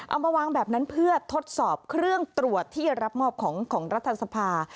เอามาวางแบบนั้นเพื่อทดสอบเครื่องตรวจที่รับมอบของรัฐสภา